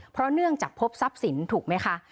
เพราะเนื่องจากพบทรัพย์สินถูกไหมคะ